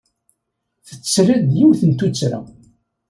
Tetter-d yiwet n tuttra.